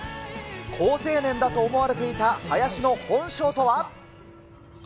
好青年だと思われていた林の本性とは？